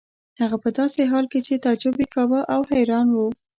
هغه په داسې حال کې چې تعجب یې کاوه او حیران و.